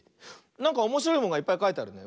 なんかおもしろいものがいっぱいかいてあるね。